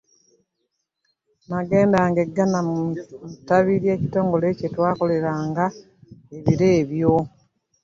Nagenda e Ghana mu ttabi ly'ekitongole kye twakoleranga ebiro ebyo.